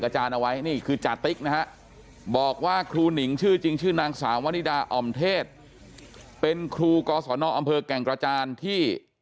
ชื่อจริงชื่อนางสาวนิดาออมเทศเป็นครูกศนอำเภอแก่งกระจานที่